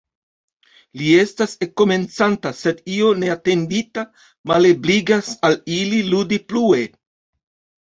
Li estas ekkomencanta, sed io neatendita malebligas al li ludi plue.